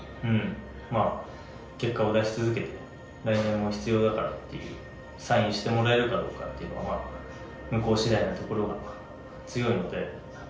まあ結果を出し続けて来年も必要だからっていうサインしてもらえるかどうかっていうのは向こう次第なところが強いので。